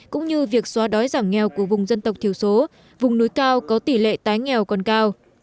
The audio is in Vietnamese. cũng như việc xóa đói giảm nghèo của vùng dân tộc thiểu số vùng núi cao có tỷ lệ tái nghèo còn cao